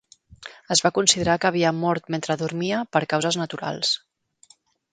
Es va considerar que havia mort mentre dormia per causes naturals.